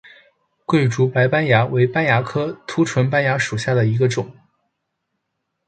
桂竹白斑蚜为斑蚜科凸唇斑蚜属下的一个种。